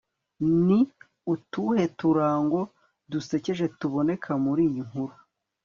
ni utuhe turango dusekeje tuboneka muri iyi nkuru